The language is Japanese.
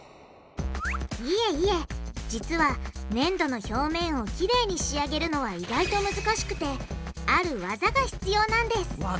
いえいえ実はねんどの表面をきれいに仕上げるのは意外と難しくてある技が必要なんです技？